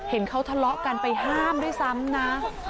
เห็นเขาทะเลาะกันไปห้ามด้วยซ้ำนะ